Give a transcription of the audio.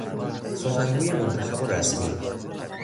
سخنگوی منتخب و رسمی